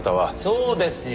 そうですよ。